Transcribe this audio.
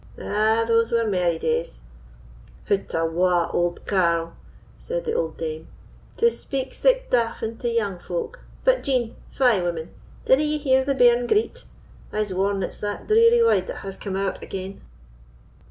Ah! these were merry days!" "Hout awa', auld carle," said the old dame, "to speak sic daffing to young folk. But, Jean—fie, woman, dinna ye hear the bairn greet? I'se warrant it's that dreary weid has come ower't again."